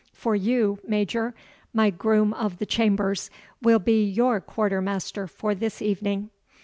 For you, Major, my groom of the chambers will be your quarter master for this evening."